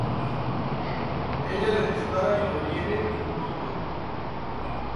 Ella le dispara y lo hiere en un hombro.